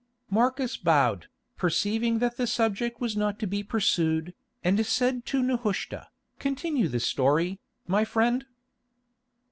Marcus bowed, perceiving that the subject was not to be pursued, and said to Nehushta, "Continue the story, my friend."